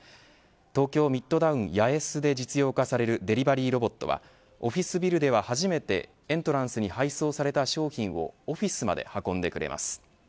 東京ミッドタウン八重洲で実用化されるデリバリーロボットはオフィスビルでは初めてエントランスに配送された商品をオフィスまで運んでくれます。